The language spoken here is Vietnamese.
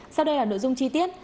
sau đây là nội dung chi tiết